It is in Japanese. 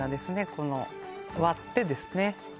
この割ってですね